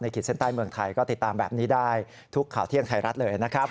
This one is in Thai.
ขีดเส้นใต้เมืองไทยก็ติดตามแบบนี้ได้ทุกข่าวเที่ยงไทยรัฐเลยนะครับ